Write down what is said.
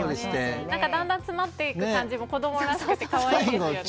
だんだん詰まっていく感じも子供らしくていいですね。